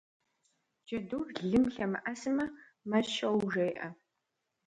Джэдур лым лъэмыӀэсмэ «мэ щоу» жеӀэ.